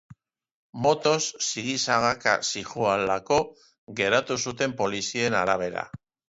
Motoz, sigi-sagaka zihoalako geratu zuten polizien arabera.